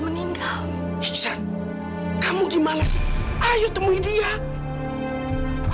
kembali lagi kamu ke rumah prabu wijaya